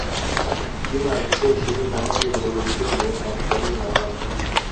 Jumla ya visiwa ishirini na moja vidogo vidogo havikaliwi na watu